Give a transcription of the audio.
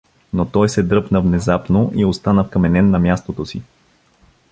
Но той се дръпна внезапно и остана вкаменен на мястото си.